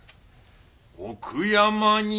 「奥山に」